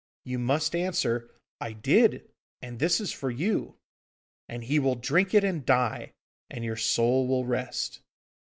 you must answer, "I did, and this is for you," and he will drink it and die! and your soul will rest.